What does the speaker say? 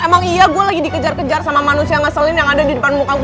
emang iya gue lagi dikejar kejar sama manusia ngeselin yang ada di depan muka gue